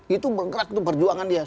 itu menggerak itu perjuangan dia